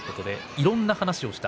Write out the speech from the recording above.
いろんな話をした。